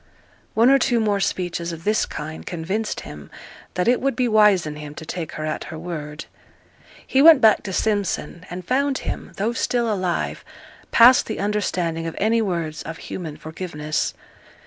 One or two more speeches of this kind convinced him that it would be wise in him to take her at her word. He went back to Simpson, and found him, though still alive, past the understanding of any words of human forgiveness.